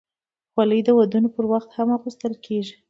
خولۍ د ودونو پر وخت هم اغوستل کېږي.